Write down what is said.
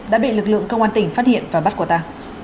đã bị lực lượng công an tỉnh phát hiện và bắt quả ta